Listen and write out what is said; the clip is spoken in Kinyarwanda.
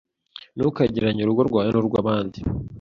Ntukagereranye urugo rwawe n’urw’abandi